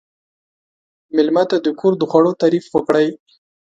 مېلمه ته د کور د خوړو تعریف وکړئ.